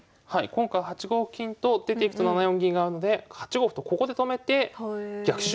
今回８五金と出ていくと７四銀があるので８五歩とここで止めてあっ